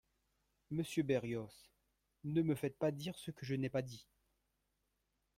Monsieur Berrios, ne me faites pas dire ce que je n’ai pas dit.